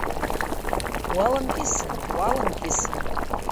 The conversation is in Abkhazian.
Уаламкьысын, уаламкьысын!